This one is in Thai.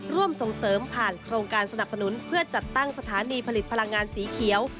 ร่วมส่งเสริมผ่านโครงการสนับสนุนเพื่อจัดตั้งสถานีผลิตพลังงานสีเขียว